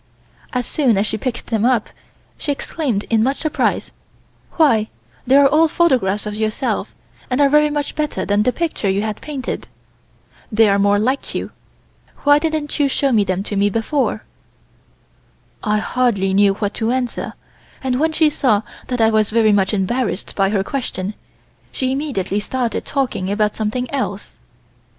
As soon as she picked them up, she exclaimed in much surprise: "Why, they are all photographs of yourself, and are very much better than the picture you had painted. They are more like you. Why didn't you show them to me before?" I hardly knew what to answer, and when she saw that I was very much embarrassed by her question, she immediately started talking about something else.